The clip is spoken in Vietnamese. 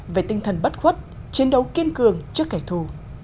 về tinh thần bất khuất chiến đấu kiên cường trước kẻ thù